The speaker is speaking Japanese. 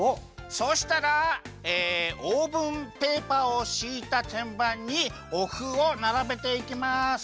そうしたらえオーブンペーパーをしいたてんばんにおふをならべていきます！